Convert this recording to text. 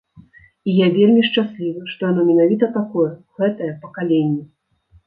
І я вельмі шчаслівы, што яно менавіта такое, гэтае пакаленне.